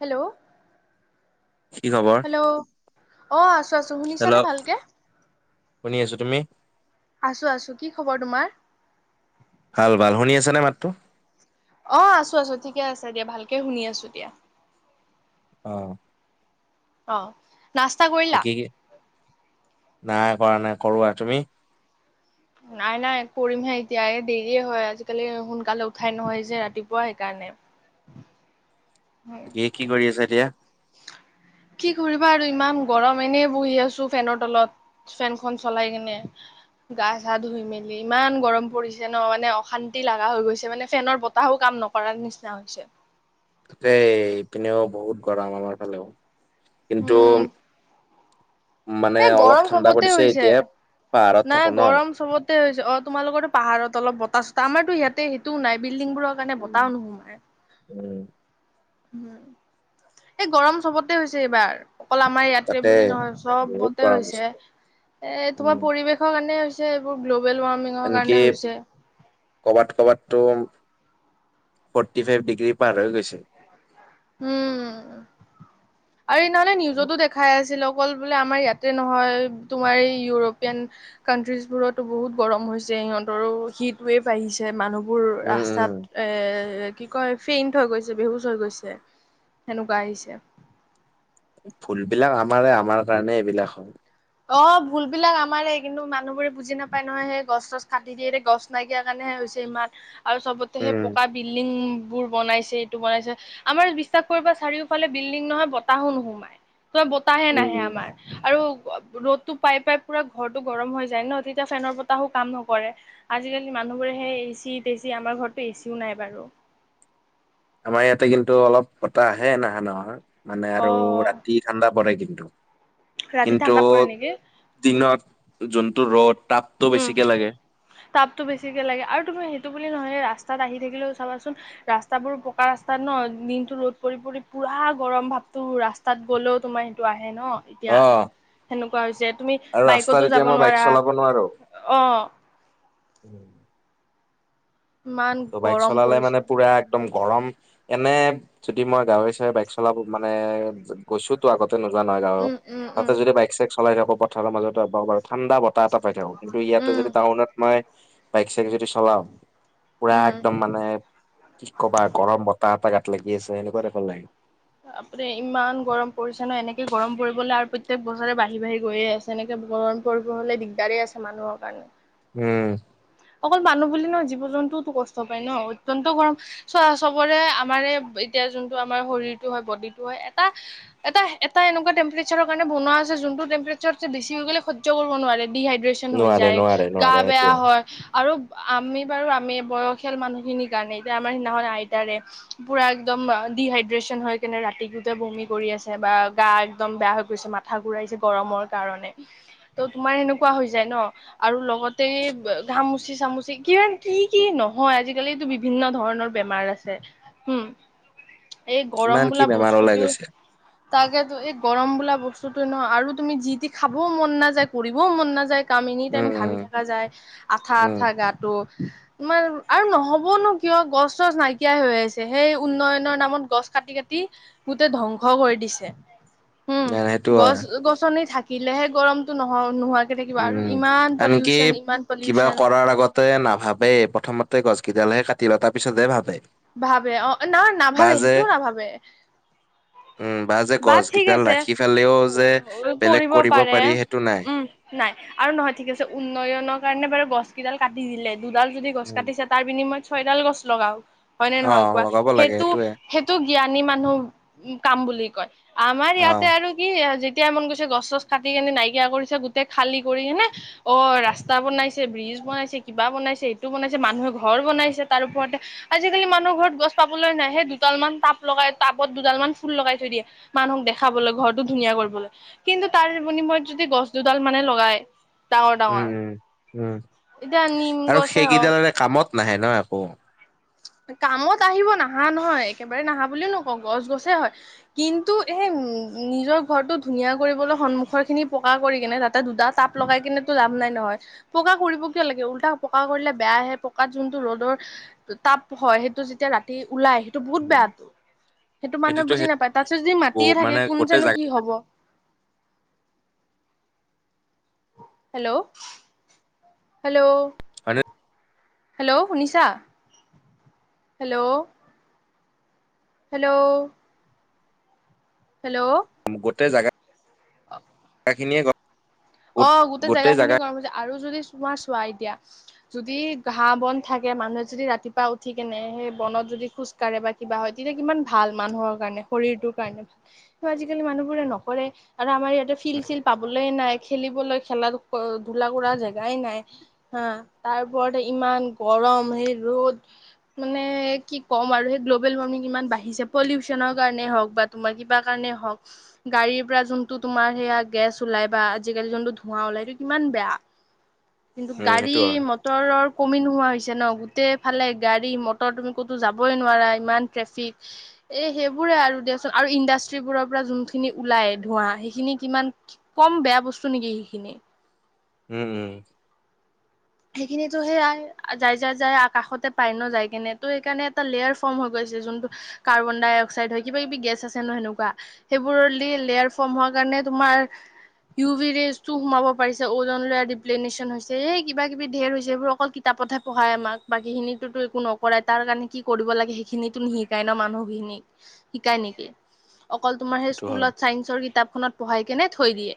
Hello. কি খবৰ hello অ আছো আছো হেল্ল' শুনিছানে ভালকে শুনি আছো তুমি আছো আছো কি খবৰ তোমাৰ ভাল ভাল শুনি আছানে মাতটো অ আছো আছো ঠিকে আছে দিয়া ভালকে শুনি আছো দিয়া আহ অ নাস্তা কৰিলা নাই কৰা নাই কৰোৱা তুমি নাই নাই কৰিমহে এতিয়া দেৰিয়ে হয় আজিকালি সোনকালে উঠাই নহয় যে ৰাতিপুৱা সেইকাৰণে [inaudible] এই কি কৰি আছা এতিয়া কি কৰিবা আৰু ইমান গৰম এনে বহি আছো ফেনৰ তলত ফেনখন চলাই কিনে গা চা ধুই মেলি ইমান গৰম পৰিছে ন মানে অশান্তি লগা হৈ গৈছে মানে ফেনৰ বতাহো কাম নকৰাৰ নিচিনা হৈছে দেই ইপিনেও বহুত গৰম আমাৰ ফালেও কিন্তু উম মানে এই অলপ গৰম ঠাণ্ডা চবতে পৰিছে হৈছে এতিয়া পাহাৰত নাই থাকো ন। গৰম চবতে হৈছে অ তোমালোকতো পাহাৰত অলপ বতাহ চতাহ আমাৰ টো ইয়াতে সেইটোও নাই বিল্ডিং বোৰৰ কাৰণে বতাহোও উম নোসোমায় এই গৰম চবতে হৈছে এইবাৰ অকল আমাৰ ইয়াতে তাতে বুলি নহয় বহুত চবতে গৰম হৈছে এ তোমাৰ উম। পৰিৱেশৰ কাৰণে হৈছে সেইবোৰ লোভ এনকি কবাত কবাতটো ফৰ্টি ফাইভ ডিগ্ৰী পাৰ হৈ গৈছে উম আৰু ইনেহলে নিউজতো দেখাই আছিল অকল বোলে আমাৰ ইয়াতে নহয় তোমাৰ এই ইউৰোপীয়ান কাানট্ৰিজ বোৰতো বহুত গৰম হৈছে সিহঁতৰো সিটোৱে বাঢ়িছে মানুহ বোৰ উম উম ৰাস্তাত কি কয় ফেইণ্ট হৈ গৈছে বেহুজ হৈ গৈছে সেনেকুৱা আহিছে ফুলবিলাক আমাৰে আমাৰ কাৰণে এইবিলাক হয় অ ভুল বিলাক আমাৰে কিন্তু মানুহবোৰে বুজি নাপায় নহয় সেই গছ চছ কাটি দিয়ে গছ নাইকিয়াৰ কাৰণে হে হৈছে ইমান আৰু চবতে সেই উম পকা বিল্ডিং বোৰ বনাইছে এইটো বনাইছে আমাৰ বিশ্বাস কৰিবা চাৰিওফালে বিল্ডিং নহয় বতাহো নোসুমাই ত বতাহে নাহে উম। আমাৰ আৰু ৰ'দ টো পাই পাই পুৰা ঘৰটো গৰম হৈ যায় ন তেতিয়া ফেনৰ বতাহো কাম নকৰে আজিকালি মানুহবোৰে হেই এচি তেচি আমাৰ ঘৰতো এচিও নাই বাৰু [unintelligible] আমাৰ ইয়াতে কিন্তু অলপ বতাহ আহে নহা নহয় মানে আৰু অ', ৰাতি ঠাণ্ডা পৰে কিন্তু ৰাতি কিন্তু ঠাণ্ডা পৰে নেকি দিনত যোনটো ৰ'দ তাপটো উম বেছিকে লাগে তাপতটো বেছিকে লাগে আৰু তুমি সেইটো বুলি নহয় ৰা ৰাস্টাত আহি থাকিলেও চাবাছোন ৰাস্তাবোৰ পকা ৰাস্তাত ন দিনতো ৰদ পৰি পৰি পুৰা গৰম ভাপতো ৰাস্তাত গ'লেও তোমাৰ সেইটো আহে ন এতিয়া অ সেনেকুৱা হৈছে তুমি আৰু ৰাস্তাত বাইকতো এতিয়া যাব মই বাইক নোৱাৰা চলাব অ উম ইমান ত' বাইক গৰম চলালে পৰিছে মানে পুৰা একদম গৰম এনে যদি মই গাৱে চাৱে বাইক চলাব মানে গৈছো তো আগত নোযোৱা নহয় গাঁৱৰ উম উম উম তাতে যদি বাইক চাইক চলাই থাকো পথাৰৰ মাজত বাৰ ঠান্দা এটা এটা পাই থাকো কিন্তু ইয়াতে উম যদি তাউনত মাই বাইক চাইক যদি চলাও পুৰা উম একদম মানে কি কবা গৰম বতাহ এটা গাত লাগি আছে হেনেকুৱা তাইপ লাগে আপুনি ইমান গৰম পৰিছে ন এনেকে গৰম পৰিবলে আৰু প্ৰত্যয়েক বছৰে বাঢ়ি বাঢ়ি গৈয়ে আছে এনেকে। গৰম পৰিব হ'লে দিগদাৰেই আছে, মানুহৰ কাৰণে। উম। অকল মানুহ বুলি ন জীৱ জন্তুওো কষ্ট পায় ন অত্তয়ন্ত গৰম চোৱা চবৰে আমাৰে। এতিয়া যোনটো আমাৰ শৰীৰটো হয় বডি টো হয় এটা এটা এটা এনেকুৱা টেম্পৰেচাৰৰ কাৰণে বনোৱা হয় যে। যোনটো টেম্পচাৰ বেছি হৈ গ'লে সৈয্য কৰিব নোৱাৰি ডিহাইড্ৰেচন হৈ নোৱাৰে যায়, নোৱাৰে গা নোৱাৰে সেইটো বেয়া হয়। আৰু আমি বাৰু আমি বয়সীয়াল মানুহখিনিৰ কাৰণে এতিয়া আমাৰ সিদিনাখন আইতাৰে পোৰা একদম। একদম ডিহাইড্ৰেচন হৈ কেনে ৰাতি গোটে বমি কৰি আছে বা গা একদম বেয়া হৈ গৈছে মাথা ঘূৰাইছে। গৰম কাৰণে ত তোমাৰ সেনেকুৱা হৈ যায় ন আৰু লগতে। ঘামুচি চামুচি কা কি কি নহয় আজিকালিটো বিভিন্ন ধৰণৰ বেমাৰ আছে। উম [unintelligible] এই গৰম কিমান কি বোলা বেমাৰ ওলাই বস্তুতো গৈছে। তাকে। এই গৰম বোলা বস্তুতো ন আৰু তুমি যি কি খাবও মন নাযায়, কৰিবও মন নাযায়। কাম এনি টাইম উম ঘামি উম থকা যায় আঠা উম আঠা গাতটো। তোমাৰ আৰু নহ'ব নো কিয় গছ চছ নাইকিয়া হৈ আছে, সেই উন্নয়নৰ নামত গছ গছ কাটি কাটি গোটেই ধ্বংস কৰি দিছে। উম, নাই সেইটো গছ হয় গছনি থা থাকিলেহে গৰমটো নহ নোহোৱাকৈ থাকিব আৰু উম ইমান আনকি পলিঅউচন ইমান। কিবা পলিউচন কৰাৰ আগতে নাভাবে প্ৰথমতে গছ কেইডালহে কাটি লয়, তাৰ পিছতেহে ভাবে। ভাবে অ' না বা নাভাবে যে সেইটোও নাভাবে। উম যে বা ঠিক গছকেইডাল আছে, ৰাখি ফালেও যে বেলেগ কৰিব পাৰে পাৰি সেইটো নাই। উম, নাই। আৰু নহয় ঠিক আছে, উন্নয়নৰ কাৰণে বাৰু গছ কেইডাল কাটি দিলে দুডাল যদি গছ উম কাটিছে তাৰ বিনিময়ত। ছয়ডাল গছ লগাওক। হয় নে অ নহয় কোৱা, লগাব লাগে সেইটো সেইটোয়ে সেইটো জ্ঞানী মানুহ কাম বুলি কয়। আমাৰ অ ইয়াতে আৰু কি যেতি যেতিয়াই মন গৈছে গছ চছ কাটি কেনে নাইকিয়া কৰিছে গোটেই খালি কৰি কেনে অ' ৰাস্তা বনাইছে ব্ৰিজ। বনাইছে কিবা বনাইছে এইটো বনাইছে মানুহে ঘৰ বনাইছে তাৰ ওপৰতে। আজিকালি মানুহ ঘৰত গছ পাবলৈ নাহে দুটাল মান টাব লগাই টাবত দুডাল মান ফুল লগাই থৈ দিয়ে মানুহক দেখি দেখাবলৈ ঘৰৰতটো ধুনীয়া কৰিবলৈ, কিন্তু তাৰ বিনিময়ত যদি গছ দুডাল মানে লগাই। ডাঙৰ উম, ডাঙৰ উম, উম, এতিয়া নিম আৰু গছে হওক সেইকেইদাল নে কামত নাহে না একো। [inaudible] কামত আহিব নাহা নহয় একেবাৰে নাহা বুলিও নকওঁ গছ গছে হয়। কিন্তু, এই নিজৰ ঘৰটো ধুনীয়া কৰিবলৈ সন্মুখৰ খিনি পকা কৰি কিনে তাতে দুটা তাপ লগাই কিনেটো লাভ নাই ন। হয়, পকা কৰিব কিয় লাগে ওলটা পকা কৰিলে বেয়াহে পকাত যোনটো ৰ'দৰ তাপ হয়, সেইটো যেতিয়া ৰাতি ওলাই আহিল। টো বহুত বেয়াতটো সেইটো মানুহে সেইটোতো বুজি সেই নাপায় তাৰপিছত যদি মাতিয়ে থাকে মানে কোন গোটেই জানো জা কি হ'ব। হেল্ল' হেল্ল' [unintelligible] হেল্ল' শুনিছা হেল্ল' হেল্ল' হেল্ল' গোটেই জাগা জাগা খিনিয়ে গৰম। অ' গোটেই জেগা খিনিয়ে গৰম হৈ যায় আৰু যদি। চোৱা চোৱাৰ দিয়া যদি ঘাঁহ বন থাকে মানুহে যদি ৰাতিপুৱা উঠি কেনে সেই বনত যদি খোজ কাঢ়ে বা কিবা হয় তেতিয়া কিমান ভাল মানুহৰ কাৰণে শৰীৰটোৰ কাৰণে ভাল আজিকালি মানুহবোৰ। নকৰে আৰু আমাৰ ইয়াতে ফিল চিল পাবলৈ নাই। খেলিবলৈ খেলা ধূলা কৰা জেগাই নাই হা তাৰপৰতে ইমান গৰম। গৰম হে ৰ'দ মানে কি কম আৰু গ্ল'বেল ওৱামিং ইমান বাঢ়িছে পলিঅউচন কাৰণে। কাৰণে হক বা তোমাৰ কিবা কাৰণে হক গাড়ীৰ পৰা যোনটো তোমাৰ হেয়া গেছ ওলায় বা। আজিকালি জোনটো ধোঁৱা ওলাইতো কিমান বেয়া। কিন্তু, উম গাড়ী সেইটো হয় মটৰৰ কমি নোহোৱা হৈছে। জান, গোটেই ফালে গাড়ী মটৰ। তুমি ক'তো যাবই নোৱাৰা ইমান ট্ৰেফিক, এই সেইবোৰ। আৰু দিয়াচোন আৰু ইণ্ডাষ্ট্ৰিবোৰৰ পৰা যোনখিনি ওলাই ধোৱা, সেইখিনি কিমান কম বেয়া বস্তু নে। বস্তু নিকি সেইখিনি। উম্ উম্। সেইখিনিতো সেয়াই, যাই যাই যাই আকাশতে পায় ন, যাই কিনে ত সেইকাৰণে এটা লেয়াৰ ফৰ্ম হৈ গৈছে। যোনটো কাৰ্বন ডাই অক্সাইড হয়, কিবা কিবি গেছ আছে ন সেনেকুৱা। সেইবোৰ লেয়াৰ ফৰ্ম হোৱাৰ কাৰণ। নে তোমাৰ ইওভি ৰেইজটো সোমাব পাৰিছে। ওজন লয়াৰ ডিপ্লেছন হৈছে। কিবা কিবি ধেৰ হৈছে এইবোৰ, অকল কিতাপটহে পঢ়াই আমাক। বাকী খিনিটো একো নকৰাই, তাৰ কাৰণে কি কৰিব লাগে। সেইখিনিতো নিশিকাই ন মানুহখিনিক। শিকাই নেকি? অকল তোমাৰ সেই সেইটো হয় স্কুলত, চাইন্সৰ কিতাপখনত পঢ়াই কেনে থৈ দিয়ে।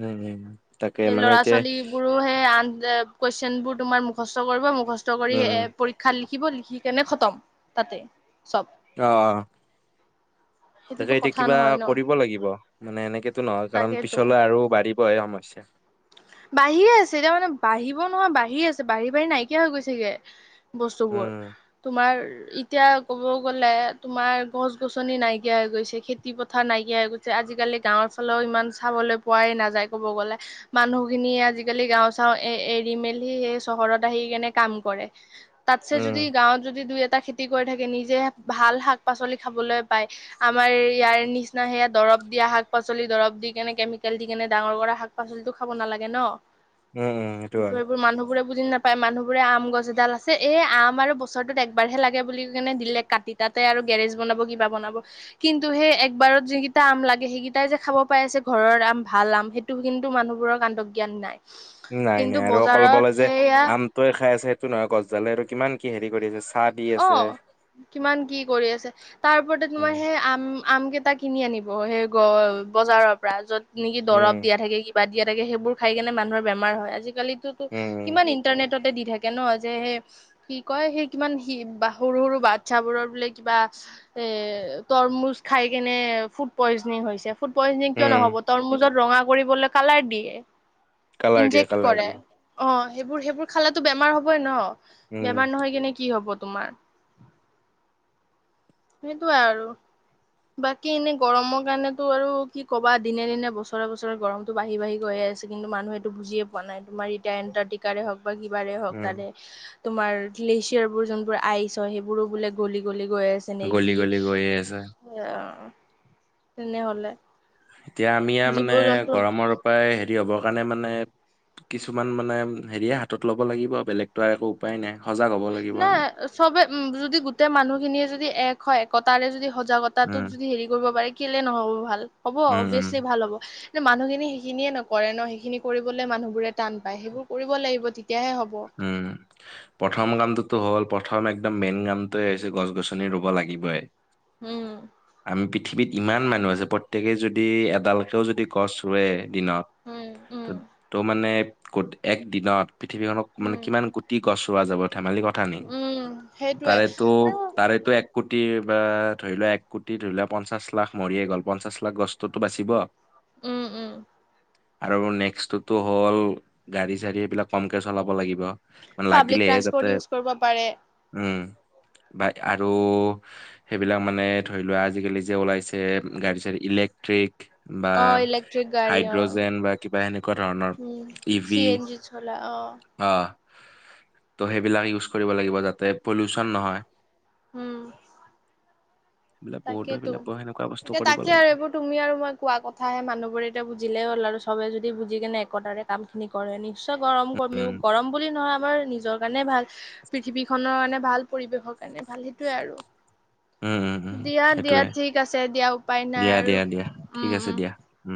উম্ উম্, তাকে সেই মানে ল'ৰা এতিয়া। ছোৱালীবোৰো সেই আন কোৱেচন বোৰ তোমাৰ মুখষ্ট কৰিব, মুখষ্ট কৰি উম পৰীক্ষাত লিখিব। লিখিব, লিখি কেনে খতম। তাতে, চব। অ'। তাকে সেইটোতো এতিয়া কথা কিবা নহয় ন কৰিব লাগিব। মানে এনেকেতো নহয়, কাৰণ তাকেতো পিছলৈ আৰু বাঢ়ি। বহে সমস্যা। বাঢ়িয়ে আছে, এতিয়া মানে বাঢ়িব নহয়। বাঢ়ি আছে, বাঢ়ি বাঢ়ি নাইকিয়া হৈ গৈছেগে। বস্তুবোৰ। উম তোমাৰ। এতিয়া ক'ব গ'লে, তোমাৰ গছ-গছনি নাইকিয়া হৈ গৈছে। খেতি পথাৰ নাইকিয়া হৈ গৈছে। আজি আজিকালি গাঁওৰ ফালেও ইমান চাবলৈ পোৱাই নাযায় ক'ব গ'লে। মানুহ মানুহখিনিয়ে আজিকালি গাওঁ চাওঁ এ এৰি মেলি। সেই চহৰত আহি কেনে কাম কৰে। তাত চে যদি, উম গাঁৱত যদি দুই এটা। খেতি কৰি থাকে, নিজে ভাল শাক-পাচলি খাবলৈ পায়। আমাৰ ইয়াৰ নিচিনা সেয়া দৰৱ। দৰৱ দিয়া শাক পাচলি, দৰৱ দি কেনে কেমিকেল দি কেনে ডাঙৰ কৰা শাক-পাচলিটো খাব নালাগে। ন উম্ উম্, সেইটো কিন্তু হয়। এইবোৰ মানুহবোৰে বুজি নাপায়। মানুহবোৰে আম গছ এডাল আছে, এই আম আৰু বছৰটোত একবাৰহে লাগে বুলি কেনে দিলে কাটি। তাতে আৰু গেৰেজ বনাব, কিবা বনাব, কিন্তু সেই একবাৰত যিকেইটা আম লাগে সেইকেইটাই যে খাব পাই। যে ঘৰৰ আম, ভাল আম, সেইটো কিন্তু মানুহবোৰৰ কাণ্ড। নাই নাই। আৰু অকল বোলে যে সেয়া আমটোয়ে খাই আছে, সেইটো নহয়। গছডালে আৰু কিমান কি হেৰি কৰি আছে। চাহ দি আছে অ', কিমান কি কৰি আছে। তাৰ ওপৰতে তোমাৰ উম সেই আম। আম কেইটা কিনি আনিব, সেই গ বজাৰৰ পৰা। য'ত নেকি দৰব উম দিয়া থাকে। কি বা দিয়া থাকে। সেইবোৰ খাই কেনে মানুহৰ বেমাৰ হয়। আজিকালিতোতো উম উম কিমান ইন্টাৰনেট। টতে দি থাকে ন? যে সেই কি কয়, সেই কিমান। কি বা সৰু সৰু বাচ্ছাবোৰৰ বোলে কিবা, এ তৰমুজ খাই কেনে। পয়জনিং হৈছে। ফুড পয়জনিং কিয় উম নহ'ব? তৰমুজত ৰঙা কৰিবলৈ কালাৰ দিয়ে। কালাৰ দিয়ে ইন্জেক্ট কালাৰ কৰে। দিয়ে অ'। সেইবোৰ, সেইবোৰ খালেতো বেমাৰ হ'বই ন? উম বেমাৰ নহয় কেনে কি হ'ব? তোমাৰ। সেইটোয়ে আৰু। বাকী এনে গৰমৰ কাৰণেতো আৰু কি ক'বা। দিনে দিনে, বছৰে বছৰে, গৰমতটো বাঢ়ি বাঢ়ি গৈ আছে। আছে, কিন্তু মানুহে এইটো বুজিয়ে পোৱা নাই। তোমাৰ এতিয়া এণ্টাৰ্কটিকাৰে হওঁক। বা কিবাৰে হওঁক, উম তাৰে তোমাৰ গ্লেচিয়াৰ বোৰ যোনবোৰ আইচ হয়। সেইবোৰো বোলে গলি গলি। গৈ আছে গলি নেকি! গলি গৈয়ে আছে তেনেহ'লে। এতিয়া আমি আৰু জীৱ মানে, জন্তু গৰমৰ পৰাই। হেৰি হ'বৰ কাৰণে মানে, কিছুমান মানে, হেৰিয়ে হাতত ল'ব লাগিব। বেলেগতো আৰু একো উপায় নাই। সজাগ হ'ব লাগিব আমি। উম্, যদি গোটেই মানুহ খিনিয়ে যদি এক হয়, একতাৰে যদি সজাগতাটোত উম, যদি হেৰি কৰিব পাৰে। কেলে নহ'ব ভাল? হ'ব উম, উম। অবিয়েচলি ভাল হ'ব। মানুহখিনি সেইখিনিয়ে নকৰে ন? সেইখিনি কৰিবলৈ মানুহবোৰে টান পায়। সেইবোৰ কৰিব লাগিব তেতিয়া। উম্। প্ৰথম কামটো। টো হ'ল - প্ৰথম একদম মেইন কামটোৱে হৈছে, গছ-গছনি ৰুব লাগিবই। উম আমি পৃথিৱীত ইমান মানুহ আছে, প্ৰত্যেকেই যদি এডালকেও যদি গছ ৰুৱে দিনত, উম উম ত' মানে ক'ত এক দিনত, পৃথিৱীখনক মানে উম কিমান কোটি গছ ৰুৱা যাব, ধেমালিৰ কথা নেকি? উম, সেইটোৱে তাৰেতো আৰু তাৰেতো এক কোটিৰ বা ধৰি লোৱা এক কোটি ধৰি লোৱা পঞ্চাশ লাখ মৰিয়ে গ'ল, পঞ্চাশ লাখ গছটোতো বাচিব। উম উম। আৰু নেক্সতোতো হ'ল, গাড়ী- চাৰি এইবিলাক কমকে চলাব লাগিব। পাব্লিক লাগিলে ট্ৰান্সপৰ্ট যাতে, ইউজ কৰিব পাৰে উম। বা আৰু, সেইবিলাক মানে ধৰি লোৱা, আজিকালি যে ওলাইছে গাড়ী চাৰি ইলেকট্ৰিক বা, অ ইলেক্ট্ৰিক গাড়ী অ হাইড্ৰজেন বা কিবা এনেকুৱা ধৰণৰ, ই ভি অঁহ। অ ত' সেইবিলাক ইউজ কৰিব লাগিব, যাতে পলিউচন নহয়। উম। তাকেতো। এইবিলাক [unintelligible] এতিয়া তাকে আৰু এইবোৰ তুমি আৰু মই কোৱা কথাাহে। মানুহবোৰে এতিয়া বুজিলেই হ'ল আৰু চবে য বুজি কেনে একতাৰে কাম খিনি কৰে, নিশ্চয় গৰম কমিব, উম গৰম বুলি নহয় আমাৰ নিজৰ কাৰণেই ভাল। পৃথিৱীখনৰ কাৰণে ভাল, পৰিৱেশৰ কাৰণে ভাল, সেইটোৱেই আৰু। উম, উম, উম, দিয়া দিয়া, সেইটোয়ে ঠিক আছে দিয়া, উপায় নাই দিয়া, আৰু। দিয়া, দিয়া ঠিক উম আছে উম। দিয়া। উম।